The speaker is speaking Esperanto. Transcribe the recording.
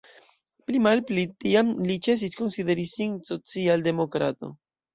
Pli malpli tiam li ĉesis konsideri sin social-demokrato.